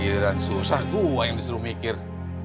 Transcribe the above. gila susah gua yang disuruh mikir